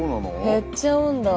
減っちゃうんだ！